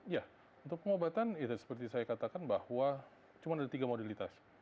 ya untuk pengobatan ya seperti saya katakan bahwa cuma ada tiga mobilitas